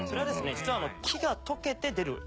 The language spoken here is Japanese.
実は。